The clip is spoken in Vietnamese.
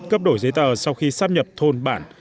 cấp đổi giấy tờ sau khi sắp nhập thôn bản